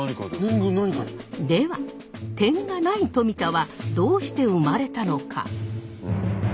では点がない「冨田」はどうして生まれたのか？